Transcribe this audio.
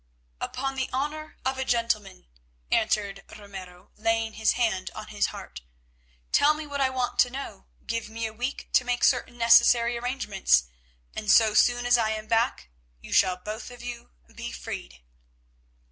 "Upon the honour of a gentleman," answered Ramiro laying his hand on his heart. "Tell me what I want to know, give me a week to make certain necessary arrangements, and so soon as I am back you shall both of you be freed."